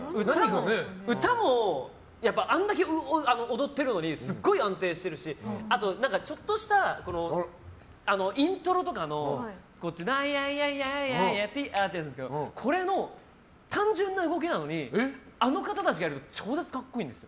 歌もやっぱりあれだけ踊ってるのにすごい安定してるしちょっとしたイントロとかのトゥナイヤイヤイティヤってやるんですけどこれの単純な動きなのにあの方たちがやると超絶格好いいんです。